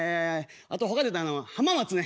あとほかで言うと浜松ね。